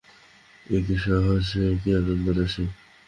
একি রহস্য, একি আনন্দরাশি!